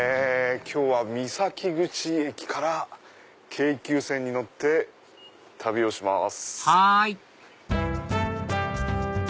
今日は三崎口駅から京急線に乗って旅をします。